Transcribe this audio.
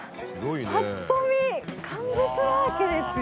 ぱっと見乾物だらけですよ。